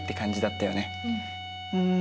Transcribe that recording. うん。